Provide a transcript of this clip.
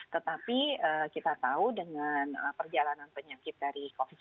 tetapi kita tahu dengan perjalanan penyakit dari covid sembilan belas